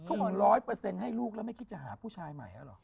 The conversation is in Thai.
คุณร้อยเปอร์เซ็นต์ให้ลูกแล้วไม่คิดจะหาผู้ชายใหม่หรอ